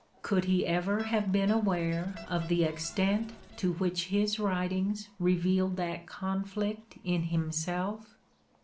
Could he ever have been aware of the extent to which his writings re vealed that conflict in himself